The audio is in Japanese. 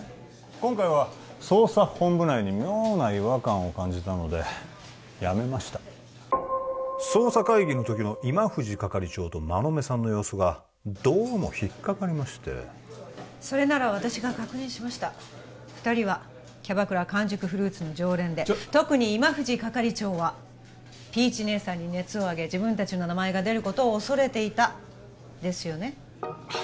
今回は捜査本部内に妙な違和感を感じたのでやめました捜査会議の時の今藤係長と馬目さんの様子がどうも引っかかりましてそれなら私が確認しました二人はキャバクラ「完熟フルーツ」の常連でちょっ特に今藤係長はピーチ姉さんに熱を上げ自分たちの名前が出ることを恐れていたですよね